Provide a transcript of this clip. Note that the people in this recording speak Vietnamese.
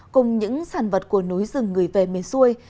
cùng những sản vật của núi rừng gửi về miền xuôi